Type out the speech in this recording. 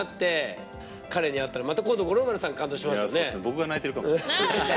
僕が泣いてるかもしれませんね。